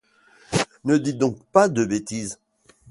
Ne dites donc pas de bêtises.